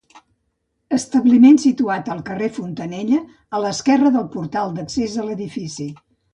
Establiment situat al carrer Fontanella, a l'esquerre del portal d'accés a l'edifici.